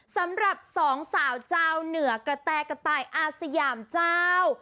สำหรับสองสาวเจ้าเหนือกระแตกระตายอาสยามเจ้า